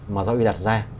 mà do vì đặt ra